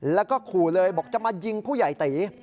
แล้วก็ขู่เลยบอกจะมายิงผู้ใหญ่ตี